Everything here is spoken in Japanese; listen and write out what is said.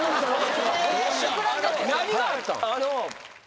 何があったん？